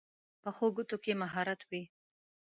پخو ګوتو کې مهارت وي